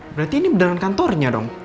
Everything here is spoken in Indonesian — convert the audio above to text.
berarti ini beneran kantornya dong